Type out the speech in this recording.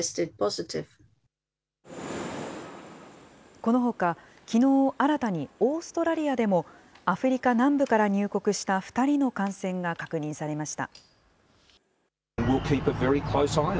このほか、きのう新たにオーストラリアでも、アフリカ南部から入国した２人の感染が確認されました。